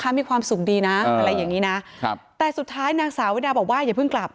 มีความสุขดีนะอะไรอย่างนี้นะครับแต่สุดท้ายนางสาววิดาบอกว่าอย่าเพิ่งกลับ